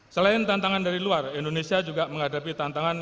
selain tantangan dari luar indonesia juga menghadapi tantangan